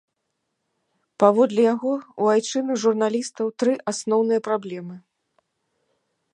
Паводле яго, у айчынных журналістаў тры асноўныя праблемы.